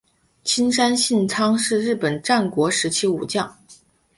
青山信昌是日本战国时代武将。